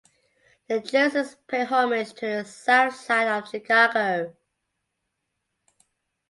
The jerseys pay homage to the South Side of Chicago.